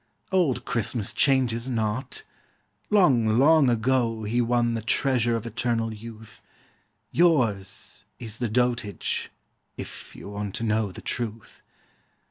Old Christmas changes not! Long, long ago He won the treasure of eternal youth; Yours is the dotage if you want to know The truth.